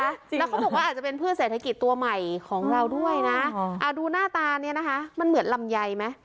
แล้วเขาบอกว่าอาจจะเป็นพืชเศรษฐกิจตัวใหม่ของเราด้วยนะดูหน้าตาเนี่ยนะคะมันเหมือนลำไยไหม